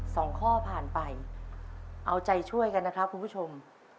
สองข้อผ่านไปเอาใจช่วยกันนะครับคุณผู้ชม